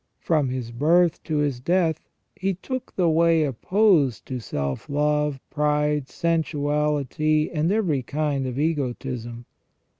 From His birth to His death, He took the way opposed to self love, pride, sensuality, and every kind of egotism.